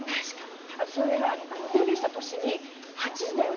それがデビューした年に「８時だョ！